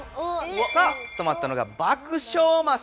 さあ止まったのが「爆笑」マス。